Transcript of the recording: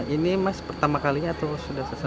ini mas pertama kalinya atau sudah selesai